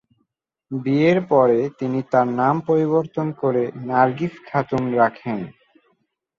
বিয়ের পরে তিনি তার নাম পরিবর্তন করে নার্গিস খাতুন রাখেন।